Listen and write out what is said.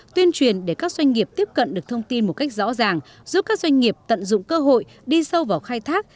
tuyên truyền để các doanh nghiệp tiếp cận được thông tin một cách rõ ràng giúp các doanh nghiệp tận dụng cơ hội đi sâu vào khai thác